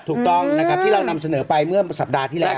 ถูกต้องนะครับที่เรานำเสนอไปเมื่อสัปดาห์ที่แล้ว